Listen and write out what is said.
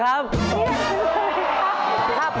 ครับเย็นครับ